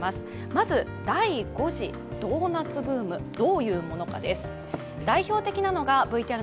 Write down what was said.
まず第５次ドーナツブーム、どういうものかです。